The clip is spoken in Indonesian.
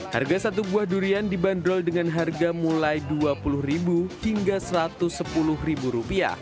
harga satu buah durian dibanderol dengan harga mulai rp dua puluh hingga rp satu ratus sepuluh